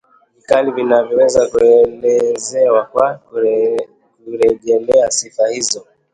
Vokali zinaweza kuelezewa kwa kurejelea sifa hizi